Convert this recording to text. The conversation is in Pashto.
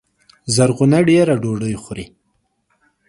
زرغونه دېره ډوډۍ خوري